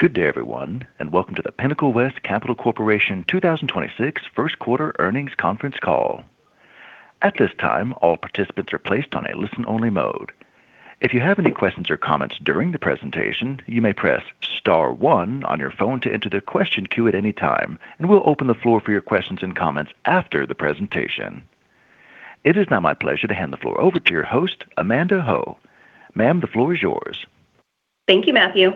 Good day, everyone, and welcome to the Pinnacle West Capital Corporation 2026 first quarter earnings conference call. At this time, all participants are placed on a listen-only mode. If you have any questions or comments during the presentation, you may press star one on your phone to enter the question queue at any time, and we'll open the floor for your questions and comments after the presentation. It is now my pleasure to hand the floor over to your host, Amanda Ho. Ma'am, the floor is yours. Thank you, Matthew.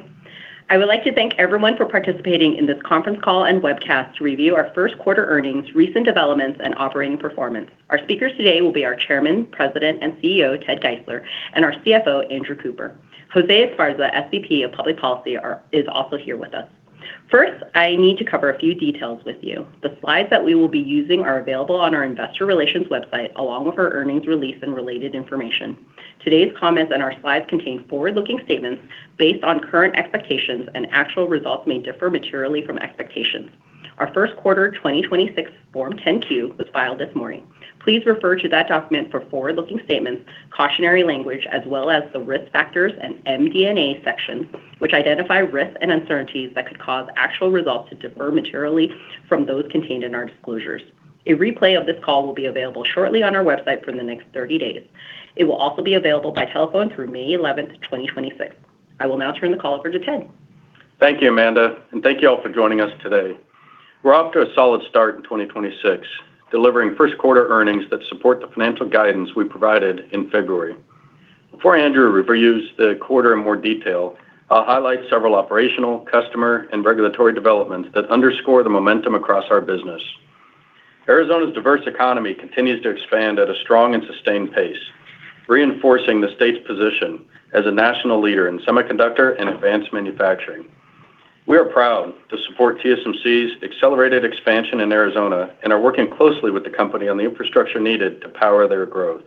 I would like to thank everyone for participating in this conference call and webcast to review our first quarter earnings, recent developments, and operating performance. Our speakers today will be our Chairman, President, and CEO, Ted Geisler, and our CFO, Andrew Cooper. Jose Esparza, SVP of Public Policy, is also here with us. First, I need to cover a few details with you. The slides that we will be using are available on our investor relations website, along with our earnings release and related information. Today's comments and our slides contain forward-looking statements based on current expectations, and actual results may differ materially from expectations. Our first quarter 2026 Form 10-Q was filed this morning. Please refer to that document for forward-looking statements, cautionary language, as well as the risk factors and MD&A section, which identify risks and uncertainties that could cause actual results to differ materially from those contained in our disclosures. A replay of this call will be available shortly on our website for the next 30 days. It will also be available by telephone through May 11th, 2026. I will now turn the call over to Ted. Thank you, Amanda, and thank you all for joining us today. We're off to a solid start in 2026, delivering first quarter earnings that support the financial guidance we provided in February. Before Andrew reviews the quarter in more detail, I'll highlight several operational, customer, and regulatory developments that underscore the momentum across our business. Arizona's diverse economy continues to expand at a strong and sustained pace, reinforcing the state's position as a national leader in semiconductor and advanced manufacturing. We are proud to support TSMC's accelerated expansion in Arizona and are working closely with the company on the infrastructure needed to power their growth.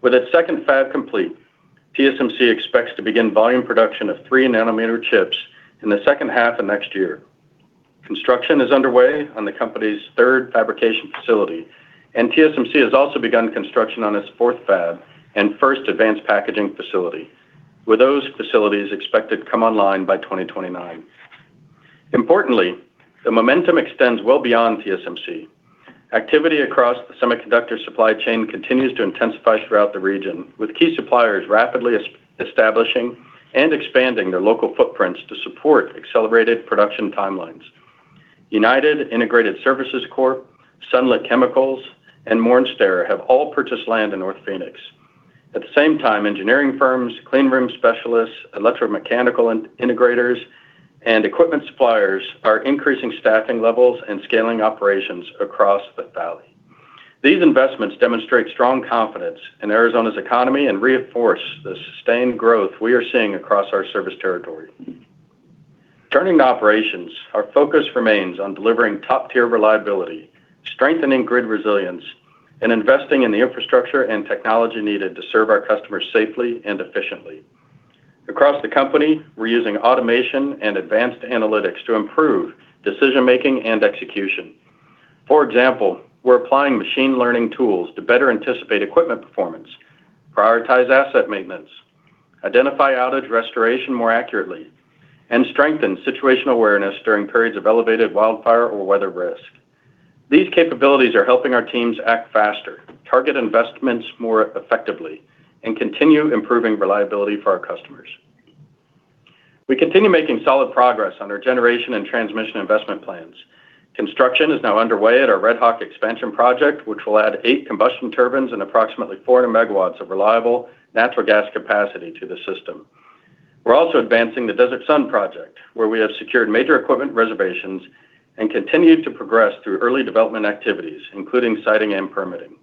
With its second fab complete, TSMC expects to begin volume production of 3 nm chips in the second half of next year. Construction is underway on the company's third fabrication facility, and TSMC has also begun construction on its fourth fab and first advanced packaging facility, with those facilities expected to come online by 2029. Importantly, the momentum extends well beyond TSMC. Activity across the semiconductor supply chain continues to intensify throughout the region, with key suppliers rapidly establishing and expanding their local footprints to support accelerated production timelines. United Integrated Services Corp, Sunlit Chemical, and Mornstair have all purchased land in North Phoenix. At the same time, engineering firms, clean room specialists, electromechanical integrators, and equipment suppliers are increasing staffing levels and scaling operations across the valley. These investments demonstrate strong confidence in Arizona's economy and reinforce the sustained growth we are seeing across our service territory. Turning to operations, our focus remains on delivering top-tier reliability, strengthening grid resilience, and investing in the infrastructure and technology needed to serve our customers safely and efficiently. Across the company, we're using automation and advanced analytics to improve decision-making and execution. For example, we're applying machine learning tools to better anticipate equipment performance, prioritize asset maintenance, identify outage restoration more accurately, and strengthen situational awareness during periods of elevated wildfire or weather risk. These capabilities are helping our teams act faster, target investments more effectively, and continue improving reliability for our customers. We continue making solid progress on our generation and transmission investment plans. Construction is now underway at our Redhawk expansion project, which will add eight combustion turbines and approximately 400 MW of reliable natural gas capacity to the system. We're also advancing the Desert Sun project, where we have secured major equipment reservations and continued to progress through early development activities, including siting and permitting.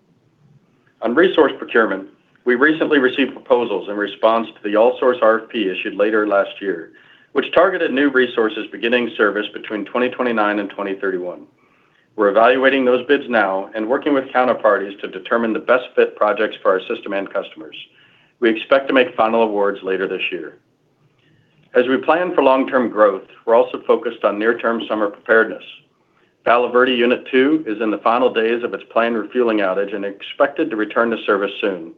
On resource procurement, we recently received proposals in response to the all source RFP issued later last year, which targeted new resources beginning service between 2029 and 2031. We're evaluating those bids now and working with counterparties to determine the best fit projects for our system and customers. We expect to make final awards later this year. We plan for long-term growth, we're also focused on near-term summer preparedness. Palo Verde Unit 2 is in the final days of its planned refueling outage and expected to return to service soon.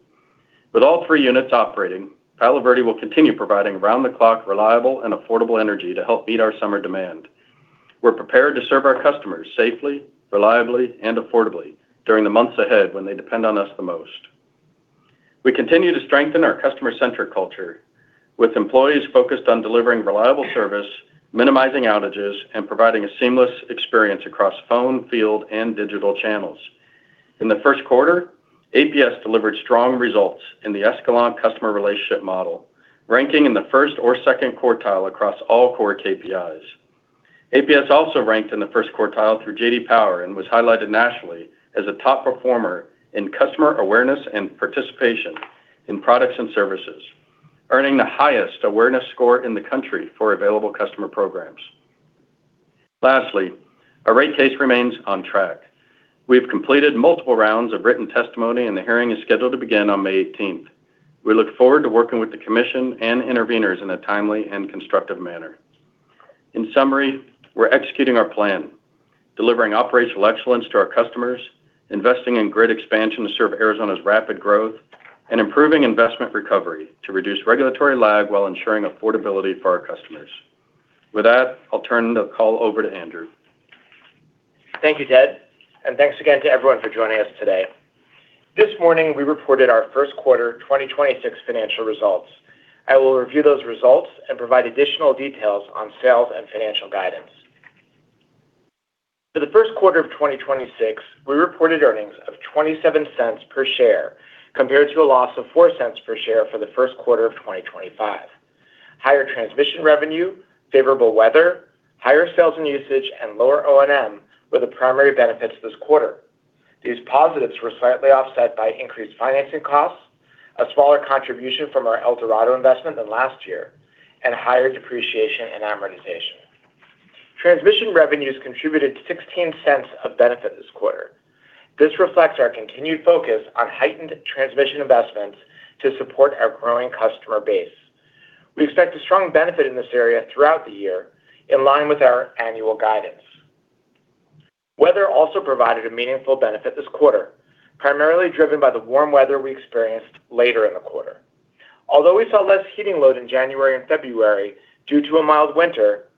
With all three units operating, Palo Verde will continue providing round-the-clock, reliable, and affordable energy to help meet our summer demand. We're prepared to serve our customers safely, reliably, and affordably during the months ahead when they depend on us the most. We continue to strengthen our customer-centric culture with employees focused on delivering reliable service, minimizing outages, and providing a seamless experience across phone, field, and digital channels. In the first quarter, APS delivered strong results in the Escalent customer relationship model, ranking in the first or second quartile across all core KPIs. APS also ranked in the first quartile through J.D. Power and was highlighted nationally as a top performer in customer awareness and participation in products and services, earning the highest awareness score in the country for available customer programs. Lastly, our rate case remains on track. We have completed multiple rounds of written testimony, and the hearing is scheduled to begin on May 18th. We look forward to working with the Commission and intervenors in a timely and constructive manner. In summary, we're executing our plan. Delivering operational excellence to our customers, investing in grid expansion to serve Arizona's rapid growth, and improving investment recovery to reduce regulatory lag while ensuring affordability for our customers. With that, I'll turn the call over to Andrew. Thank you, Ted, and thanks again to everyone for joining us today. This morning, we reported our first quarter 2026 financial results. I will review those results and provide additional details on sales and financial guidance. For the first quarter of 2026, we reported earnings of $0.27 per share compared to a loss of $0.04 per share for the first quarter of 2025. Higher transmission revenue, favorable weather, higher sales and usage, and lower O&M were the primary benefits this quarter. These positives were slightly offset by increased financing costs, a smaller contribution from our El Dorado Investment than last year, and higher depreciation and amortization. Transmission revenues contributed to $0.16 of benefit this quarter. This reflects our continued focus on heightened transmission investments to support our growing customer base. We expect a strong benefit in this area throughout the year in line with our annual guidance. Weather also provided a meaningful benefit this quarter, primarily driven by the warm weather we experienced later in the quarter. Although we saw less heating load in January and February due to a mild winter,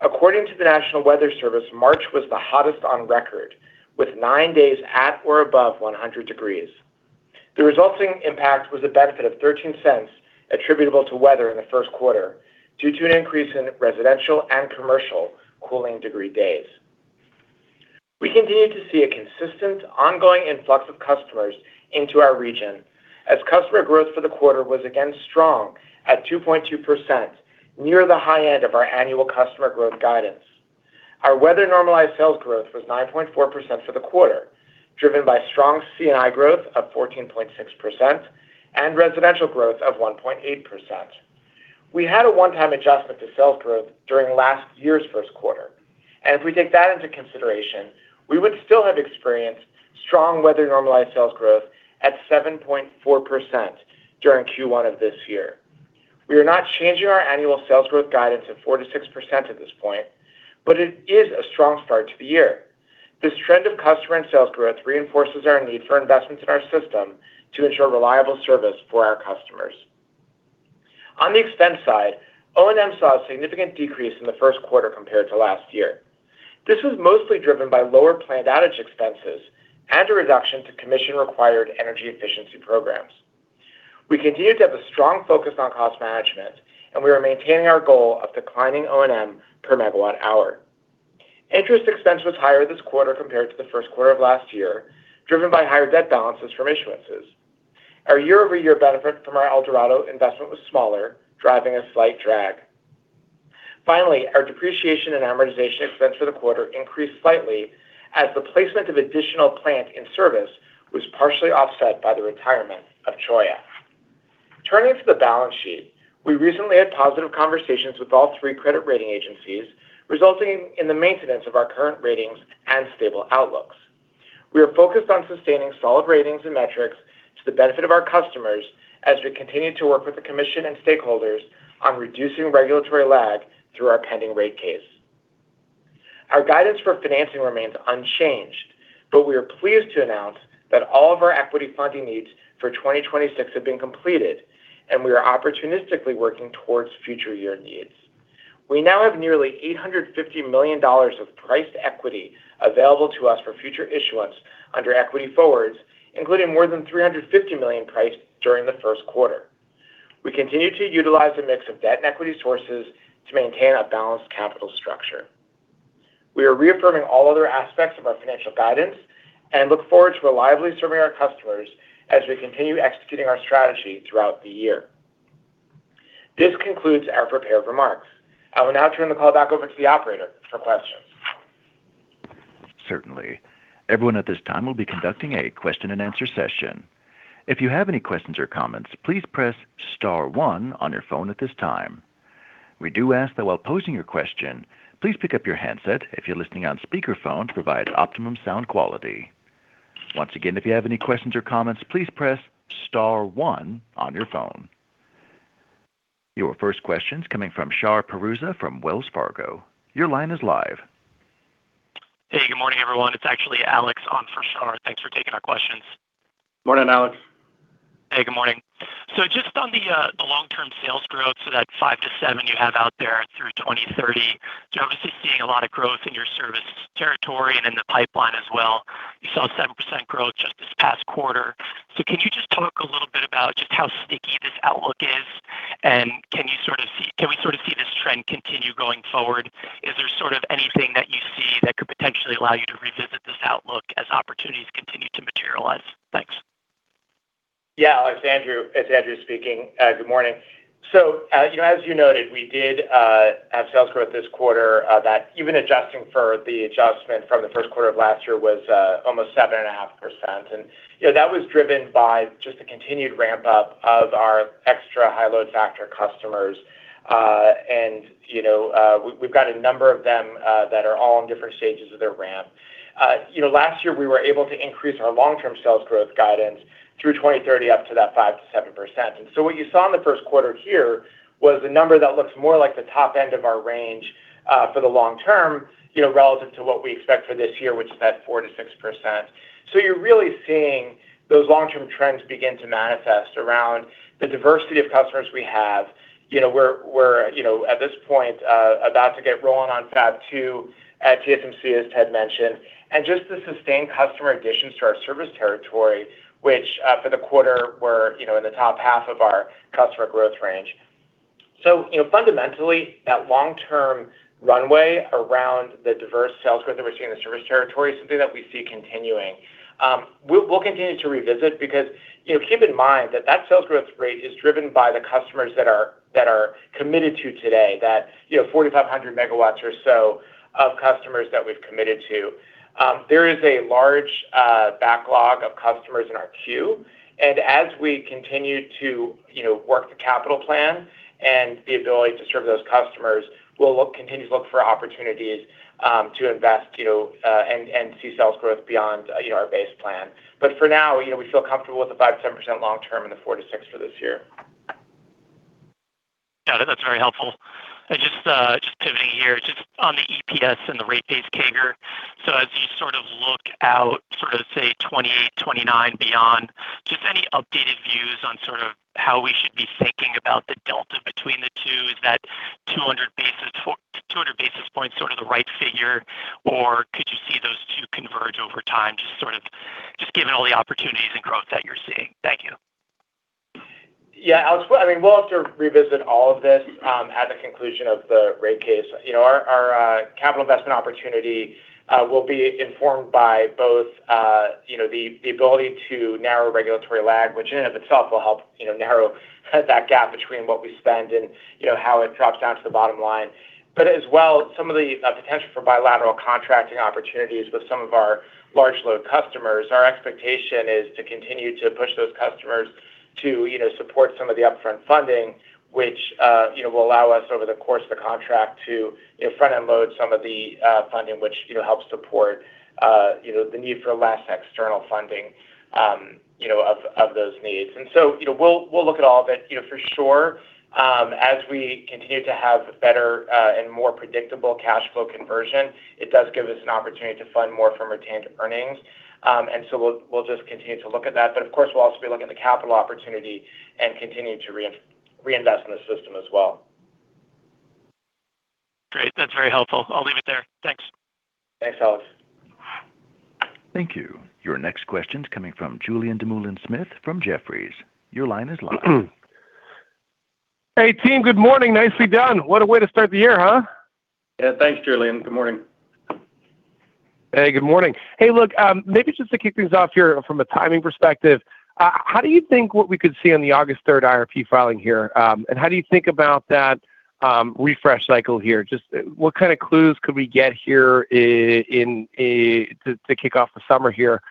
according to the National Weather Service, March was the hottest on record, with nine days at or above 100 degrees. The resulting impact was a benefit of $0.13 attributable to weather in the first quarter due to an increase in residential and commercial cooling degree days. We continued to see a consistent ongoing influx of customers into our region as customer growth for the quarter was again strong at 2.2%, near the high end of our annual customer growth guidance. Our weather-normalized sales growth was 9.4% for the quarter, driven by strong C&I growth of 14.6% and residential growth of 1.8%. We had a one-time adjustment to sales growth during last year's first quarter. If we take that into consideration, we would still have experienced strong weather-normalized sales growth at 7.4% during Q1 of this year. We are not changing our annual sales growth guidance of 4%-6% at this point, but it is a strong start to the year. This trend of customer and sales growth reinforces our need for investments in our system to ensure reliable service for our customers. On the expense side, O&M saw a significant decrease in the first quarter compared to last year. This was mostly driven by lower planned outage expenses and a reduction to Commission-required energy efficiency programs. We continued to have a strong focus on cost management, and we are maintaining our goal of declining O&M per megawatt-hour. Interest expense was higher this quarter compared to the first quarter of last year, driven by higher debt balances from issuances. Our year-over-year benefit from our El Dorado investment was smaller, driving a slight drag. Finally, our depreciation and amortization expense for the quarter increased slightly as the placement of additional plant in service was partially offset by the retirement of Cholla. Turning to the balance sheet, we recently had positive conversations with all three credit rating agencies, resulting in the maintenance of our current ratings and stable outlooks. We are focused on sustaining solid ratings and metrics to the benefit of our customers as we continue to work with the Commission and stakeholders on reducing regulatory lag through our pending rate case. Our guidance for financing remains unchanged, but we are pleased to announce that all of our equity funding needs for 2026 have been completed, and we are opportunistically working towards future year needs. We now have nearly $850 million of priced equity available to us for future issuance under equity forwards, including more than $350 million priced during the first quarter. We continue to utilize a mix of debt and equity sources to maintain a balanced capital structure. We are reaffirming all other aspects of our financial guidance and look forward to reliably serving our customers as we continue executing our strategy throughout the year. This concludes our prepared remarks. I will now turn the call back over to the operator for questions. Your first question's coming from Shar Pourreza from Wells Fargo. Your line is live. Hey, good morning, everyone. It's actually Alex on for Shar. Thanks for taking our questions. Morning, Alex. Hey, good morning. Just on the long-term sales growth, that 5%-7% you have out there through 2030. Obviously seeing a lot of growth in your service territory and in the pipeline as well. You saw a 7% growth just this past quarter. Can you just talk a little bit about just how sticky this outlook is? Can we sort of see this trend continue going forward? Is there sort of anything that you see that could potentially allow you to revisit this outlook as opportunities continue to materialize? Thanks. Yeah. Alex, Andrew. It's Andrew speaking. Good morning. You know, as you noted, we did have sales growth this quarter that even adjusting for the adjustment from the first quarter of last year was almost 7.5%. You know, we've got a number of them that are all in different stages of their ramp. You know, last year, we were able to increase our long-term sales growth guidance through 2030 up to that 5%-7%. What you saw in the first quarter here was a number that looks more like the top end of our range, for the long term, you know, relative to what we expect for this year, which is that 4%-6%. You're really seeing those long-term trends begin to manifest around the diversity of customers we have. You know, we're, you know, at this point, about to get rolling on Fab 2 at TSMC, as Ted mentioned, and just the sustained customer additions to our service territory, which, for the quarter were, you know, in the top half of our customer growth range. You know, fundamentally, that long-term runway around the diverse sales growth that we're seeing in the service territory is something that we see continuing. We'll continue to revisit because, you know, keep in mind that that sales growth rate is driven by the customers that are committed to today, that, you know, 4,500 MW or so of customers that we've committed to. There is a large backlog of customers in our queue. As we continue to, you know, work the capital plan and the ability to serve those customers, we'll continue to look for opportunities to invest, you know, and see sales growth beyond, you know, our base plan. For now, you know, we feel comfortable with the 5%-10% long term and the 4%-6% for this year. Yeah, that's very helpful. Just pivoting here, just on the EPS and the rate base CAGR. As you sort of look out sort of, say, 2028, 2029 beyond, just any updated views on sort of how we should be thinking about the delta between the two? Is that 200 basis points sort of the right figure? Or could you see those two converge over time, just sort of just given all the opportunities and growth that you're seeing? Thank you. Yeah, Alex, I mean, we'll have to revisit all of this at the conclusion of the rate case. You know, our capital investment opportunity will be informed by both, you know, the ability to narrow regulatory lag, which in and of itself will help, you know, narrow that gap between what we spend and, you know, how it drops down to the bottom line. As well, some of the potential for bilateral contracting opportunities with some of our large load customers. Our expectation is to continue to push those customers to, you know, support some of the upfront funding, which, you know, will allow us over the course of the contract to, you know, front-end load some of the funding which, you know, helps support, you know, the need for less external funding, you know, of those needs. You know, we'll look at all of it, you know, for sure. As we continue to have better and more predictable cash flow conversion, it does give us an opportunity to fund more from retained earnings. We'll just continue to look at that. Of course, we'll also be looking at the capital opportunity and continue to reinvest in the system as well. Great. That's very helpful. I'll leave it there. Thanks. Thanks, Alex. Thank you. Your next question's coming from Julien Dumoulin-Smith from Jefferies. Your line is live. Hey, team. Good morning. Nicely done. What a way to start the year? Yeah. Thanks, Julien. Good morning. Hey, good morning. Hey, look, maybe just to kick things off here from a timing perspective, how do you think what we could see on the August 3rd IRP filing here? How do you think about that refresh cycle here? Just what kind of clues could we get here to kick off the summer here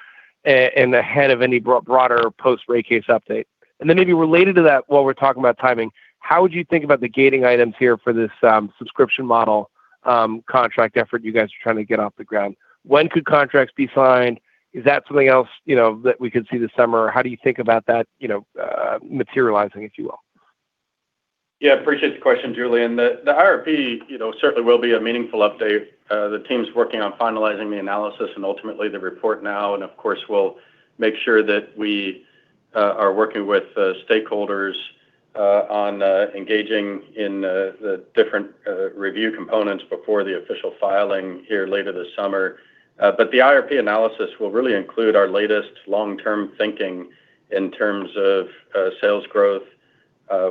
and ahead of any broader post rate case update? Then maybe related to that, while we're talking about timing, how would you think about the gating items here for this subscription model contract effort you guys are trying to get off the ground? When could contracts be signed? Is that something else, you know, that we could see this summer? How do you think about that, you know, materializing, if you will? Yeah, appreciate the question, Julien. The IRP, you know, certainly will be a meaningful update. The team's working on finalizing the analysis and ultimately the report now. Of course, we'll make sure that we are working with stakeholders on engaging in the different review components before the official filing here later this summer. The IRP analysis will really include our latest long-term thinking in terms of sales growth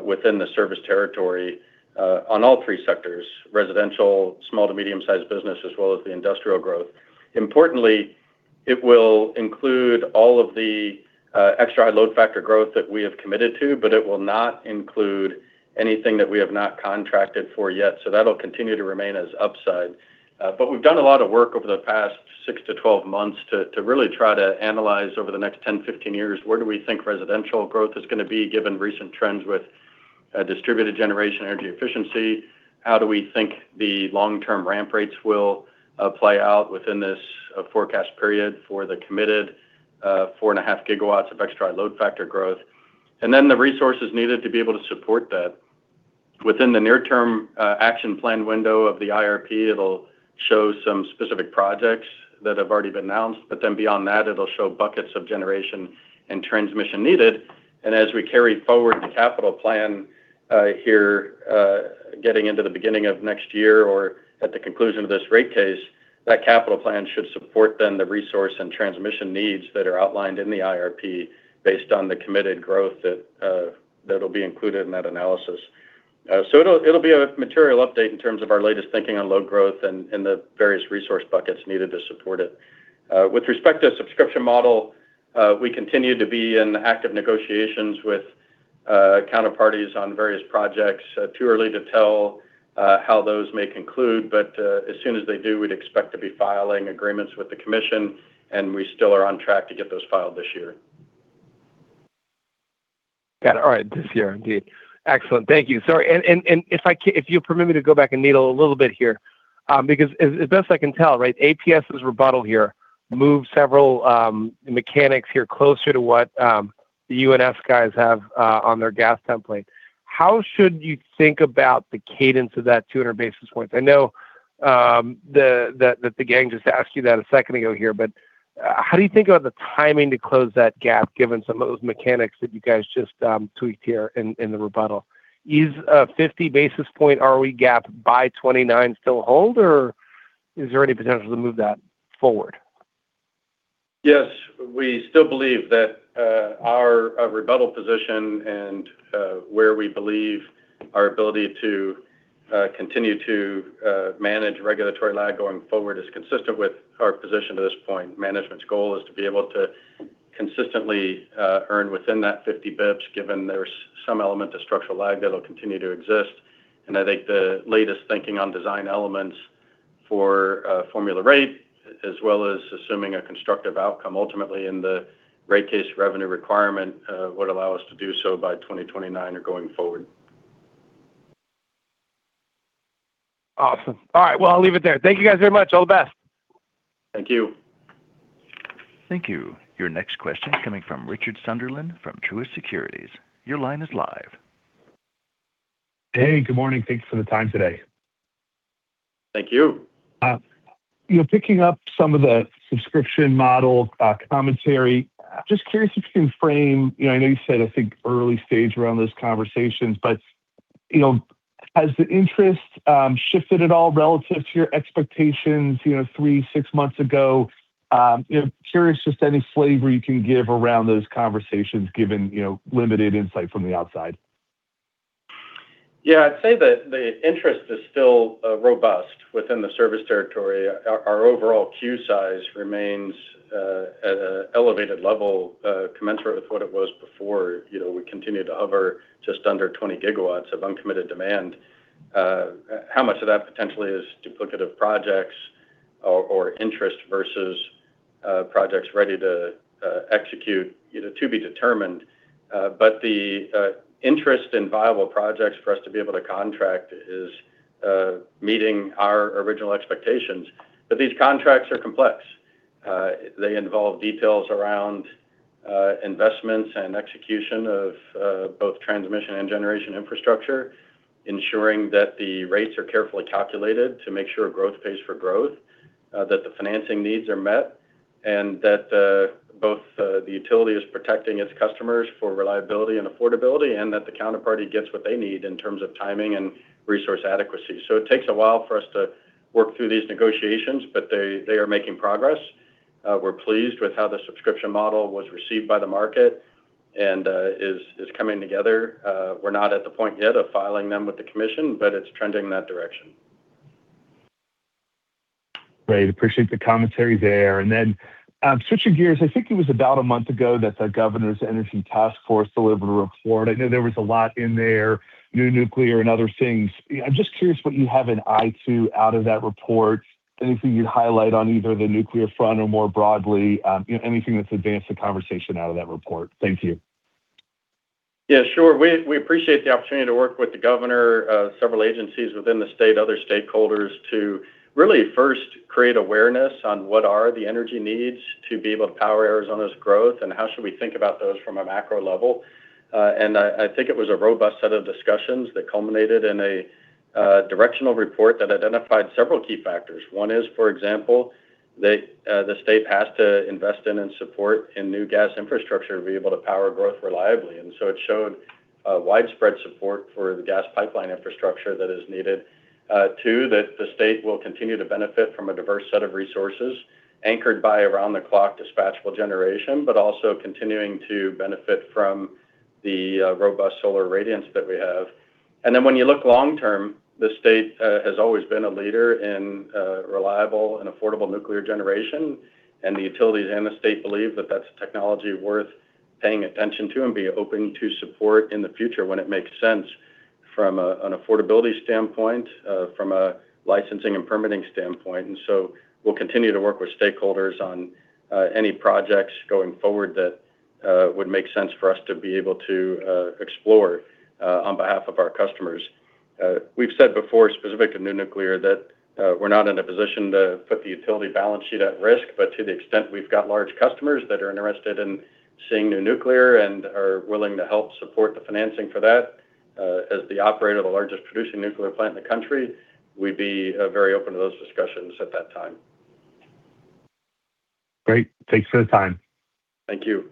within the service territory on all three sectors, residential, small to medium-sized business, as well as the industrial growth. Importantly, it will include all of the extra high load factor growth that we have committed to, it will not include anything that we have not contracted for yet. That'll continue to remain as upside. But we've done a lot of work over the past six to 12 months to really try to analyze over the next 10, 15 years, where do we think residential growth is gonna be given recent trends with distributed generation energy efficiency? How do we think the long-term ramp rates will play out within this forecast period for the committed 4.5 GW of extra high load factor growth? The resources needed to be able to support that. Within the near term action plan window of the IRP, it'll show some specific projects that have already been announced, but then beyond that, it'll show buckets of generation and transmission needed. As we carry forward the capital plan here, getting into the beginning of next year or at the conclusion of this rate case, that capital plan should support then the resource and transmission needs that are outlined in the IRP based on the committed growth that that'll be included in that analysis. It'll be a material update in terms of our latest thinking on load growth and the various resource buckets needed to support it. With respect to subscription model, we continue to be in active negotiations with counterparties on various projects. Too early to tell how those may conclude, but as soon as they do, we'd expect to be filing agreements with the commission, and we still are on track to get those filed this year. Got it. All right. This year indeed. Excellent. Thank you. Sorry, and if you permit me to go back a little bit here, because as best I can tell, right, APS's rebuttal here moved several mechanics here closer to what the UNS Gas guys have on their gas template. How should you think about the cadence of that 200 basis points? I know that the gang just asked you that a second ago here, but how do you think about the timing to close that gap given some of those mechanics that you guys just tweaked here in the rebuttal? Is a 50 basis point ROE gap by 2029 still hold, or is there any potential to move that forward? Yes, we still believe that our rebuttal position and where we believe our ability to continue to manage regulatory lag going forward is consistent with our position to this point. Management's goal is to be able to consistently earn within that 50 basis points, given there's some element of structural lag that'll continue to exist. I think the latest thinking on design elements for a formula rate as well as assuming a constructive outcome ultimately in the rate case revenue requirement would allow us to do so by 2029 or going forward. Awesome. All right, well, I'll leave it there. Thank you guys very much. All the best. Thank you. Thank you. Your next question coming from Richard Sunderland from Truist Securities. Your line is live. Hey, good morning. Thanks for the time today. Thank you. You know, picking up some of the subscription model commentary, just curious if you can frame, you know, I know you said, I think, early stage around those conversations, but, you know, has the interest shifted at all relative to your expectations, you know, three, six months ago? You know, curious just any flavor you can give around those conversations given, you know, limited insight from the outside. Yeah, I'd say the interest is still robust within the service territory. Our overall queue size remains at a elevated level commensurate with what it was before. You know, we continue to hover just under 20 GW of uncommitted demand. How much of that potentially is duplicative projects or interest versus projects ready to execute, you know, to be determined. The interest in viable projects for us to be able to contract is meeting our original expectations. These contracts are complex. They involve details around investments and execution of both transmission and generation infrastructure, ensuring that the rates are carefully calculated to make sure growth pays for growth, that the financing needs are met, and that both the utility is protecting its customers for reliability and affordability and that the counterparty gets what they need in terms of timing and resource adequacy. It takes a while for us to work through these negotiations, but they are making progress. We're pleased with how the subscription model was received by the market and is coming together. We're not at the point yet of filing them with the commission, but it's trending in that direction. Great. Appreciate the commentary there. I think it was about a month ago that the governor's energy task force delivered a report. I know there was a lot in there, new nuclear and other things. You know, I'm just curious what you have an eye to out of that report. Anything you'd highlight on either the nuclear front or more broadly, you know, anything that's advanced the conversation out of that report. Thank you. Yeah, sure. We appreciate the opportunity to work with the Governor, several agencies within the state, other stakeholders to really first create awareness on what are the energy needs to be able to power Arizona's growth, and how should we think about those from a macro level. I think it was a robust set of discussions that culminated in a directional report that identified several key factors. One is, for example, the state has to invest in and support in new gas infrastructure to be able to power growth reliably. It showed widespread support for the gas pipeline infrastructure that is needed. Two, that the state will continue to benefit from a diverse set of resources anchored by around-the-clock dispatchable generation, but also continuing to benefit from the robust solar radiance that we have. When you look long term, the state has always been a leader in reliable and affordable nuclear generation, and the utilities and the state believe that that's technology worth paying attention to and be open to support in the future when it makes sense from an affordability standpoint, from a licensing and permitting standpoint. We'll continue to work with stakeholders on any projects going forward that would make sense for us to be able to explore on behalf of our customers. We've said before, specific of new nuclear, that we're not in a position to put the utility balance sheet at risk, but to the extent we've got large customers that are interested in seeing new nuclear and are willing to help support the financing for that, as the operator of the largest producing nuclear plant in the country, we'd be very open to those discussions at that time. Great. Thanks for the time. Thank you.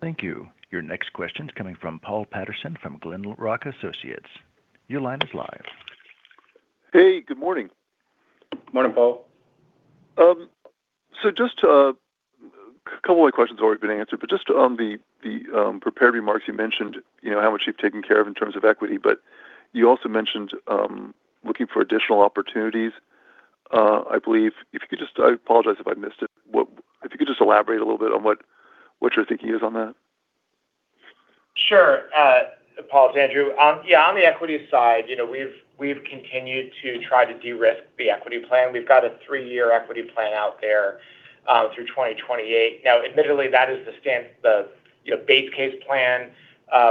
Thank you. Your next question's coming from Paul Patterson from Glenrock Associates. Your line is live. Hey, good morning. Morning, Paul. Just a couple of my questions have already been answered, but just on the prepared remarks you mentioned, you know, how much you've taken care of in terms of equity, but you also mentioned, looking for additional opportunities, I believe. If you could just. I apologize if I missed it. What. If you could just elaborate a little bit on what your thinking is on that. Sure. Paul, it's Andrew. Yeah, on the equity side, you know, we've continued to try to de-risk the equity plan. We've got a three-year equity plan out there through 2028. Admittedly, that is the, you know, base case plan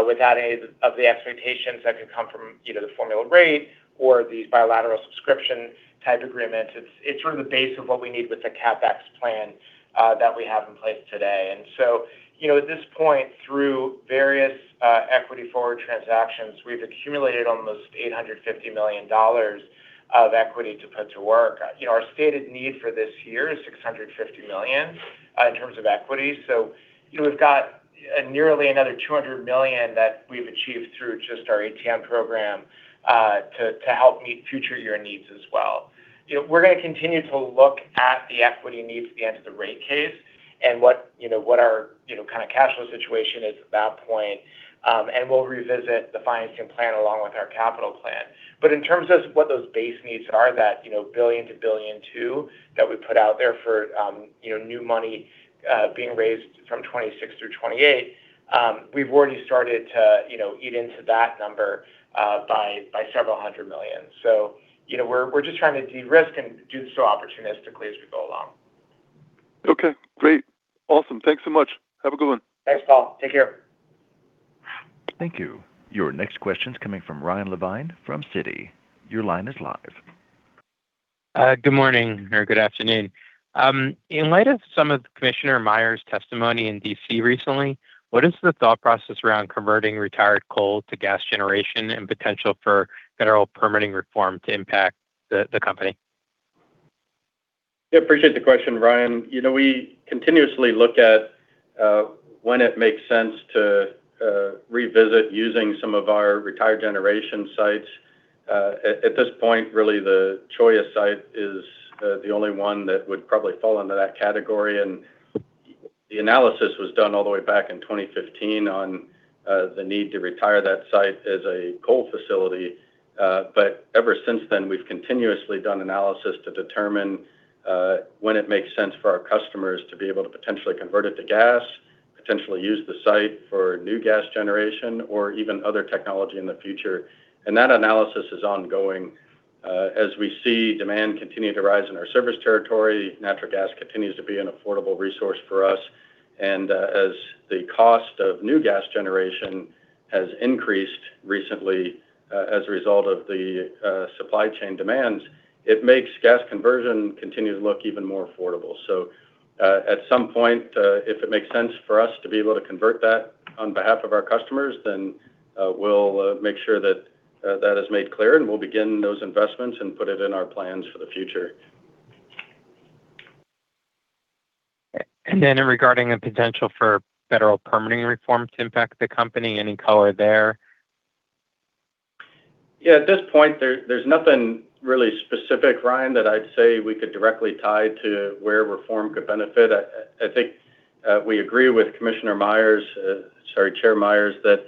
without any of the expectations that can come from, you know, the formula rate or these bilateral subscription-type agreements. It's sort of the base of what we need with the CapEx plan that we have in place today. You know, at this point, through various equity forward transactions, we've accumulated almost $850 million of equity to put to work. You know, our stated need for this year is $650 million in terms of equity. You know, we've got nearly another $200 million that we've achieved through just our ATM program to help meet future year needs as well. You know, we're gonna continue to look at the equity needs at the end of the rate case and what, you know, what our, you know, kinda cash flow situation is at that point. We'll revisit the financing plan along with our capital plan. In terms of what those base needs are that, you know, $1 billion-$1.2 billion that we put out there for, you know, new money being raised from 2026 through 2028, we've already started to, you know, eat into that number by several hundred million. You know, we're just trying to de-risk and do so opportunistically as we go along. Okay, great. Awesome. Thanks so much. Have a good one. Thanks, Paul. Take care. Thank you. Your next question's coming from Ryan Levine from Citi. Your line is live. Good morning, or good afternoon. In light of some of Commissioner Myers' testimony in D.C. recently, what is the thought process around converting retired coal to gas generation and potential for federal permitting reform to impact the company? Yeah, appreciate the question, Ryan. You know, we continuously look at when it makes sense to revisit using some of our retired generation sites. At this point, really, the Cholla site is the only one that would probably fall under that category. The analysis was done all the way back in 2015 on the need to retire that site as a coal facility. Ever since then, we've continuously done analysis to determine when it makes sense for our customers to be able to potentially convert it to gas, potentially use the site for new gas generation or even other technology in the future. That analysis is ongoing. As we see demand continue to rise in our service territory, natural gas continues to be an affordable resource for us. As the cost of new gas generation has increased recently, as a result of the supply chain demands, it makes gas conversion continue to look even more affordable. At some point, if it makes sense for us to be able to convert that on behalf of our customers, then, we'll make sure that that is made clear, and we'll begin those investments and put it in our plans for the future. Regarding the potential for federal permitting reform to impact the company, any color there? At this point, there's nothing really specific, Ryan that I'd say we could directly tie to where reform could benefit. I think, we agree with Commissioner Myers, sorry, Chair Myers, that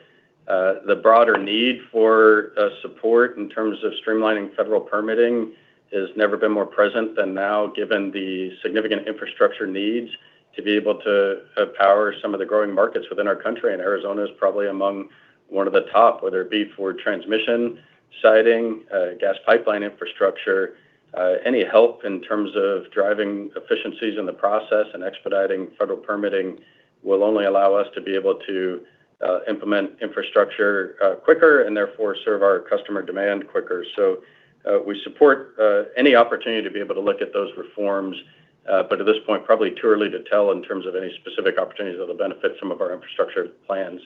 the broader need for support in terms of streamlining federal permitting has never been more present than now, given the significant infrastructure needs to be able to power some of the growing markets within our country. Arizona is probably among one of the top, whether it be for transmission siting, gas pipeline infrastructure. Any help in terms of driving efficiencies in the process and expediting federal permitting will only allow us to be able to implement infrastructure quicker and therefore serve our customer demand quicker. We support any opportunity to be able to look at those reforms. At this point, probably too early to tell in terms of any specific opportunities that'll benefit some of our infrastructure plans.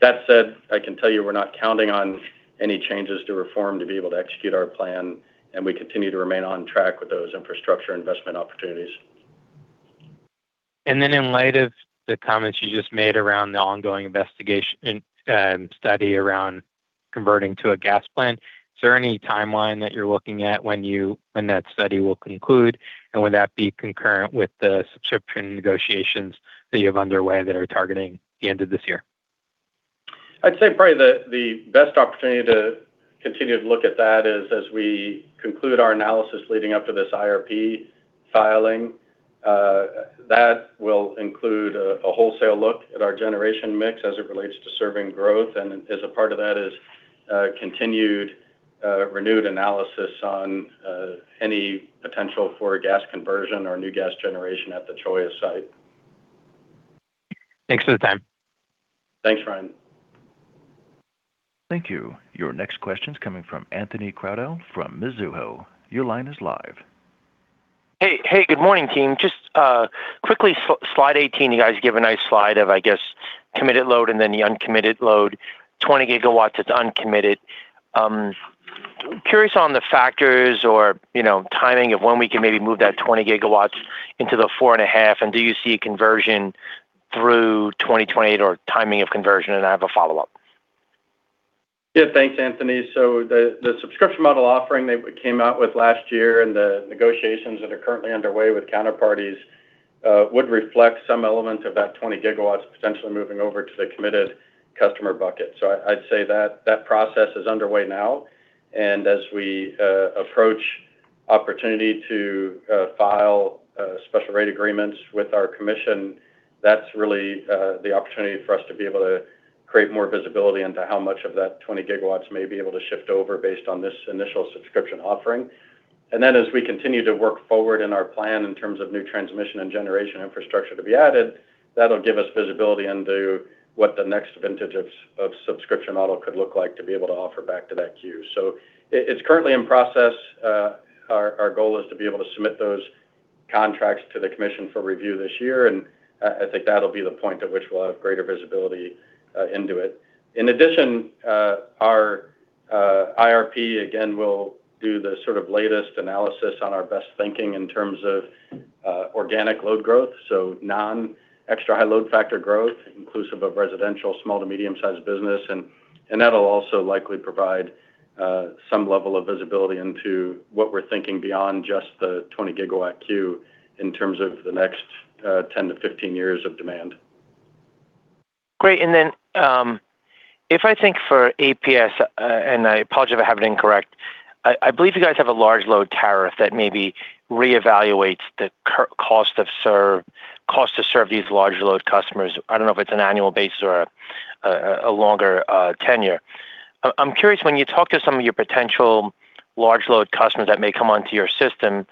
That said, I can tell you we're not counting on any changes to reform to be able to execute our plan, and we continue to remain on track with those infrastructure investment opportunities. In light of the comments you just made around the ongoing study around converting to a gas plant, is there any timeline that you're looking at when that study will conclude? Would that be concurrent with the subscription negotiations that you have underway that are targeting the end of this year? I'd say probably the best opportunity to continue to look at that is as we conclude our analysis leading up to this IRP filing, that will include a wholesale look at our generation mix as it relates to serving growth. As a part of that is continued renewed analysis on any potential for a gas conversion or new gas generation at the Cholla site. Thanks for the time. Thanks, Ryan. Thank you. Your next question's coming from Anthony Crowdell from Mizuho. Your line is live. Hey. Hey, good morning, team. Just quickly, Slide 18, you guys give a nice slide of, I guess, committed load and then the uncommitted load. 20 GW is uncommitted. Curious on the factors or, you know, timing of when we can maybe move that 20 GW into the 4.5 GW. Do you see a conversion through 2028 or timing of conversion? I have a follow-up. Yeah. Thanks, Anthony. The subscription model offering that we came out with last year and the negotiations that are currently underway with counterparties would reflect some element of that 20 GW potentially moving over to the committed customer bucket. I'd say that process is underway now. As we approach opportunity to file special rate agreements with our commission, that's really the opportunity for us to be able to create more visibility into how much of that 20 GW may be able to shift over based on this initial subscription offering. Then as we continue to work forward in our plan in terms of new transmission and generation infrastructure to be added, that'll give us visibility into what the next vintage of subscription model could look like to be able to offer back to that queue. It's currently in process. Our goal is to be able to submit those contracts to the Commission for review this year, and I think that'll be the point at which we'll have greater visibility into it. In addition, our IRP, again, will do the sort of latest analysis on our best thinking in terms of organic load growth, so non-extra high load factor growth, inclusive of residential, small to medium-sized business and that'll also likely provide some level of visibility into what we're thinking beyond just the 20 GW queue in terms of the next 10-15 years of demand. Great. If I think for APS, I apologize if I have it incorrect, I believe you guys have a large load tariff that maybe reevaluates the cost to serve these large load customers. I don't know if it's an annual basis or a longer tenure. I'm curious, when you talk to some of your potential large load customers that may come onto your system,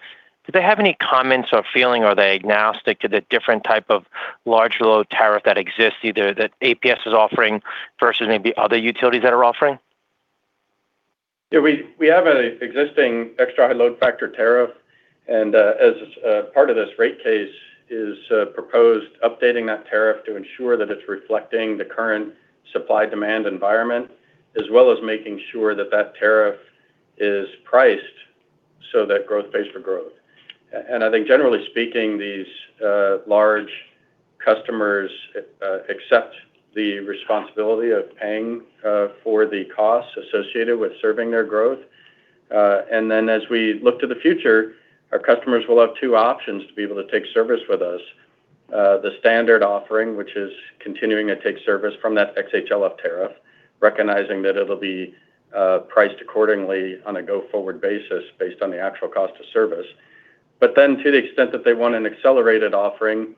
do they have any comments or feeling, are they agnostic to the different type of large load tariff that exists, either that APS is offering versus maybe other utilities that are offering? Yeah. We have a existing extra high load factor tariff, as part of this rate case is proposed updating that tariff to ensure that it's reflecting the current supply-demand environment as well as making sure that that tariff is priced so that growth pays for growth. I think generally speaking, these large customers accept the responsibility of paying for the costs associated with serving their growth. As we look to the future, our customers will have two options to be able to take service with us. The standard offering, which is continuing to take service from that XHLF tariff, recognizing that it'll be priced accordingly on a go-forward basis based on the actual cost of service. To the extent that they want an accelerated offering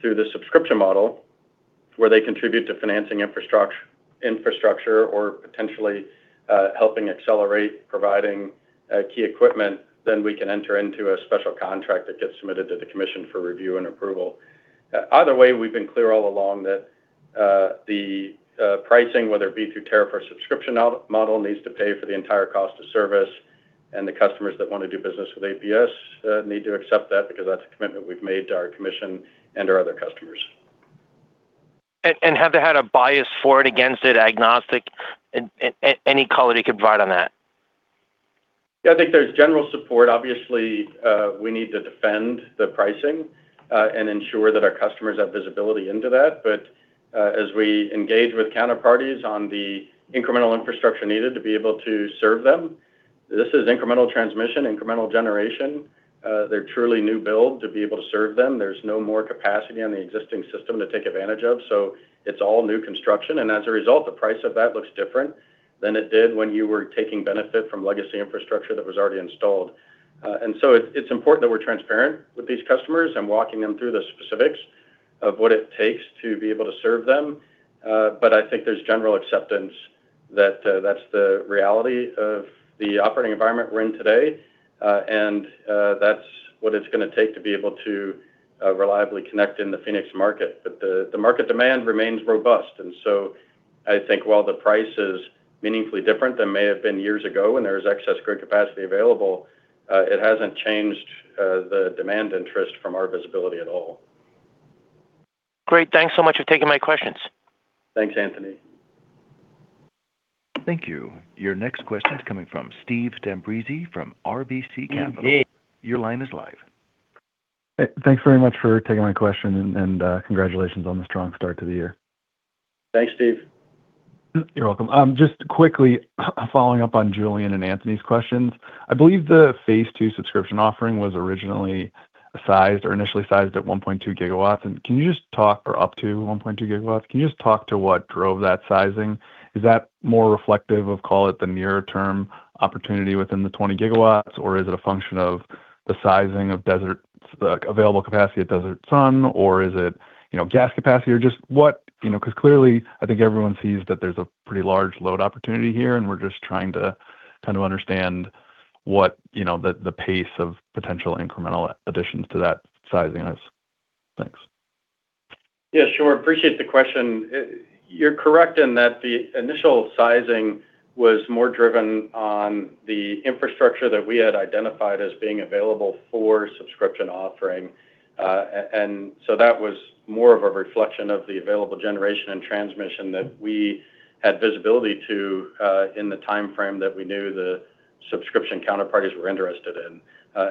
through the subscription model where they contribute to financing infrastructure or potentially, helping accelerate providing key equipment, then we can enter into a special contract that gets submitted to the Commission for review and approval. Either way, we've been clear all along that the pricing, whether it be through tariff or subscription model, needs to pay for the entire cost of service, and the customers that wanna do business with APS need to accept that because that's a commitment we've made to our Commission and our other customers. Have they had a bias for it, against it, agnostic? Any color you could provide on that? Yeah, I think there's general support. Obviously, we need to defend the pricing, and ensure that our customers have visibility into that. As we engage with counterparties on the incremental infrastructure needed to be able to serve them, this is incremental transmission, incremental generation, they're truly new build to be able to serve them. There's no more capacity on the existing system to take advantage of, so it's all new construction. As a result, the price of that looks different than it did when you were taking benefit from legacy infrastructure that was already installed. So it's important that we're transparent with these customers and walking them through the specifics of what it takes to be able to serve them. I think there's general acceptance that that's the reality of the operating environment we're in today, and that's what it's gonna take to be able to reliably connect in the Phoenix market. The market demand remains robust. I think while the price is meaningfully different than may have been years ago when there was excess grid capacity available, it hasn't changed the demand interest from our visibility at all. Great. Thanks so much for taking my questions. Thanks, Anthony. Thank you. Your next question is coming from Stephen D'Ambrisi from RBC Capital. Your line is live. Hey, thanks very much for taking my question and, congratulations on the strong start to the year. Thanks, Steve. You're welcome. Just quickly following up on Julien and Anthony's questions. I believe the phase two subscription offering was originally sized or initially sized at 1.2 GW. Or up to 1.2 GW. Can you just talk to what drove that sizing? Is that more reflective of, call it, the near term opportunity within the 20 GW, or is it a function of the sizing of desert, like, available capacity at Desert Sun? Or is it, you know, gas capacity? You know, 'cause clearly, I think everyone sees that there's a pretty large load opportunity here, and we're just trying to kind of understand what, you know, the pace of potential incremental additions to that sizing is. Thanks. Yeah, sure. Appreciate the question. You're correct in that the initial sizing was more driven on the infrastructure that we had identified as being available for subscription offering. That was more of a reflection of the available generation and transmission that we had visibility to in the timeframe that we knew the subscription counterparties were interested in.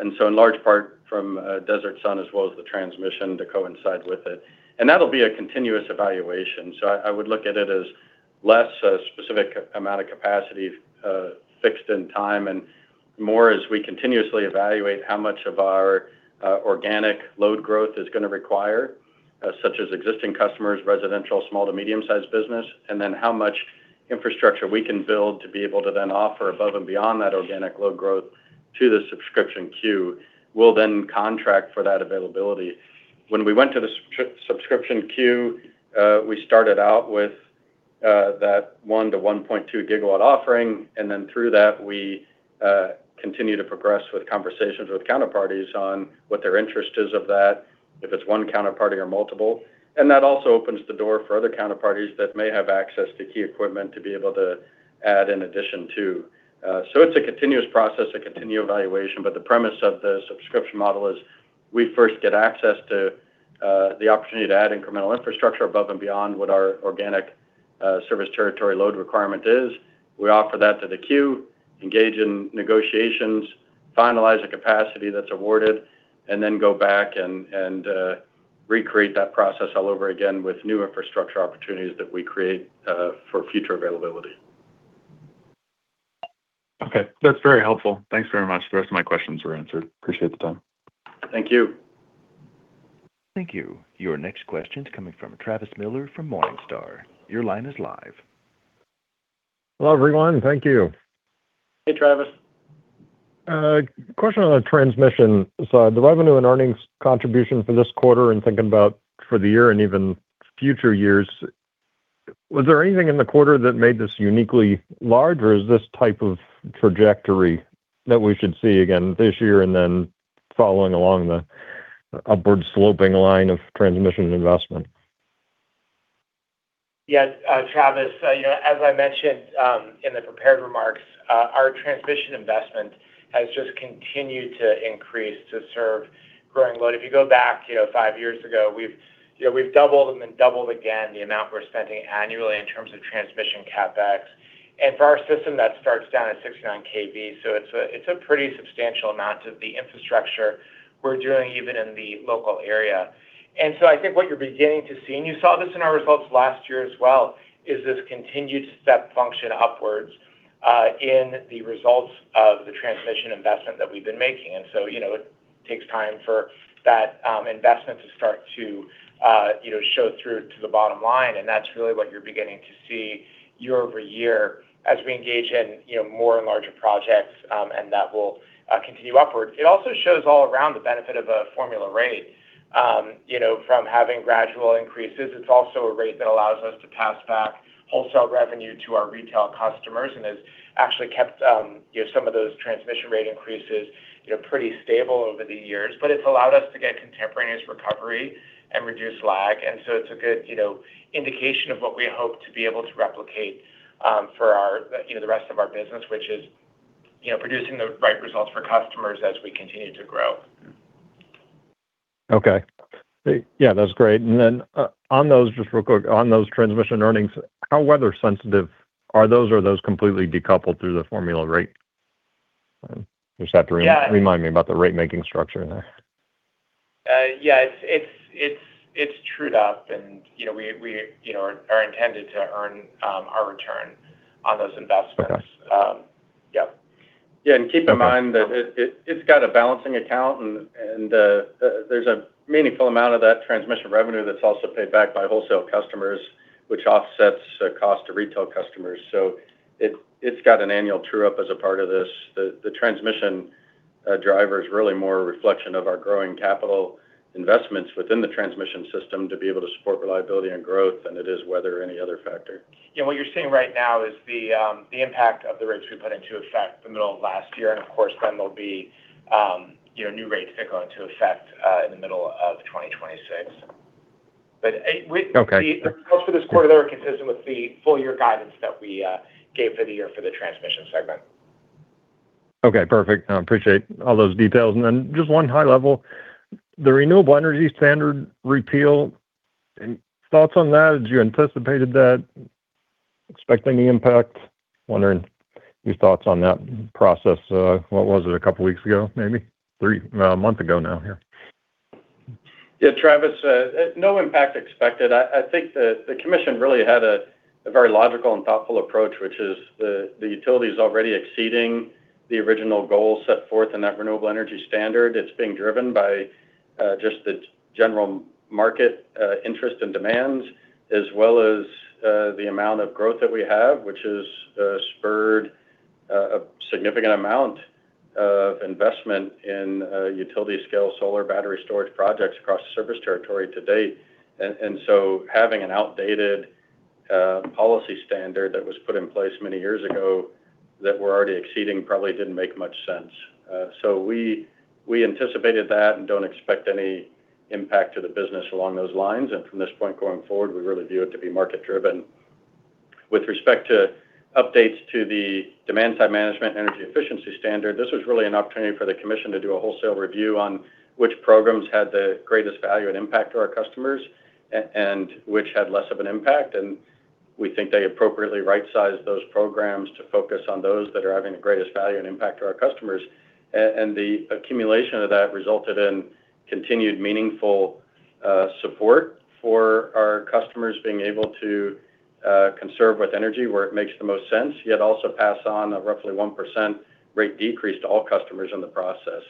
In large part from Desert Sun as well as the transmission to coincide with it. That'll be a continuous evaluation. I would look at it as less a specific amount of capacity, fixed in time and more as we continuously evaluate how much of our organic load growth is gonna require, such as existing customers, residential, small to medium-sized business, and then how much infrastructure we can build to be able to then offer above and beyond that organic load growth to the subscription queue, we'll then contract for that availability. When we went to the subscription queue, we started out with that 1 GW-1.2 GW offering, and then through that we continue to progress with conversations with counterparties on what their interest is of that, if it's one counterparty or multiple. That also opens the door for other counterparties that may have access to key equipment to be able to add in addition to. It's a continuous process, a continued evaluation, but the premise of the subscription model is we first get access to the opportunity to add incremental infrastructure above and beyond what our organic service territory load requirement is. We offer that to the queue, engage in negotiations, finalize the capacity that's awarded, and then go back and recreate that process all over again with new infrastructure opportunities that we create for future availability. Okay. That's very helpful. Thanks very much. The rest of my questions were answered. Appreciate the time. Thank you. Thank you. Your next question's coming from Travis Miller from Morningstar. Your line is live. Hello, everyone. Thank you. Hey, Travis. Question on the transmission side. The revenue and earnings contribution for this quarter, and thinking about for the year and even future years, was there anything in the quarter that made this uniquely large, or is this type of trajectory that we should see again this year and then following along the upward sloping line of transmission investment? Travis, you know, as I mentioned, in the prepared remarks, our transmission investment has just continued to increase to serve growing load. If you go back, you know, five years ago, we've, you know, we've doubled and then doubled again the amount we're spending annually in terms of transmission CapEx. For our system, that starts down at 69 KV. It's a pretty substantial amount of the infrastructure we're doing even in the local area. I think what you're beginning to see, and you saw this in our results last year as well, is this continued step function upwards in the results of the transmission investment that we've been making. You know, it takes time for that investment to start to, you know, show through to the bottom line, and that's really what you're beginning to see year-over-year as we engage in, you know, more and larger projects. That will continue upward. It also shows all around the benefit of a formula rate, you know, from having gradual increases. It's also a rate that allows us to pass back wholesale revenue to our retail customers and has actually kept, you know, some of those transmission rate increases, you know, pretty stable over the years. It's allowed us to get contemporaneous recovery and reduce lag. It's a good, you know, indication of what we hope to be able to replicate for our, you know, the rest of our business, which is, you know, producing the right results for customers as we continue to grow. Okay. Yeah, that's great. Then, on those, just real quick, on those transmission earnings, how weather sensitive are those? Or are those completely decoupled through the formula rate? Yeah. Remind me about the rate-making structure there. Yeah, it's trued up and, you know, we, you know, are intended to earn our return on those investments. Okay. Yep. Keep in mind that it's got a balancing account and there's a meaningful amount of that transmission revenue that's also paid back by wholesale customers, which offsets the cost to retail customers. It's got an annual true up as a part of this. The transmission driver is really more a reflection of our growing capital investments within the transmission system to be able to support reliability and growth than it is weather or any other factor. Yeah, what you're seeing right now is the impact of the rates we put into effect the middle of last year. Of course, then there'll be, you know, new rates that go into effect in the middle of 2026. Okay. The results for this quarter, they were consistent with the full year guidance that we gave for the year for the transmission segment. Okay, perfect. Appreciate all those details. Just one high level, the Renewable Energy Standard repeal. Any thoughts on that? Had you anticipated that? Expecting the impact? Wondering your thoughts on that process, what was it? A couple weeks ago maybe? Well, a month ago now. Yeah. Yeah, Travis, no impact expected. I think the commission really had a very logical and thoughtful approach, which is the utility is already exceeding the original goal set forth in that Renewable Energy Standard. It's being driven by just the general market interest and demands, as well as the amount of growth that we have, which has spurred a significant amount of investment in utility scale solar battery storage projects across the service territory to date. Having an outdated policy standard that was put in place many years ago that we're already exceeding probably didn't make much sense. We anticipated that and don't expect any impact to the business along those lines. From this point going forward, we really view it to be market driven. With respect to updates to the Demand Side Management/Energy Efficiency Standard, this was really an opportunity for the Commission to do a wholesale review on which programs had the greatest value and impact to our customers and which had less of an impact. We think they appropriately right-sized those programs to focus on those that are having the greatest value and impact to our customers. And the accumulation of that resulted in continued meaningful support for our customers being able to conserve with energy where it makes the most sense, yet also pass on a roughly 1% rate decrease to all customers in the process.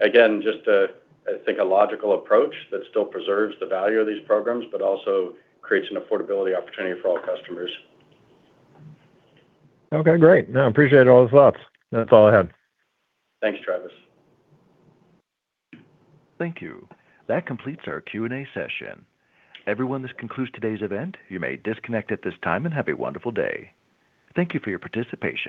Again, just a, I think, a logical approach that still preserves the value of these programs but also creates an affordability opportunity for all customers. Okay, great. No, appreciate all those thoughts. That's all I had. Thanks, Travis. Thank you. That completes our Q&A session. Everyone, this concludes today's event. You may disconnect at this time, and have a wonderful day. Thank you for your participation.